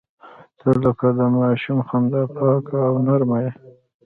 • ته لکه د ماشوم خندا پاکه او نرمه یې.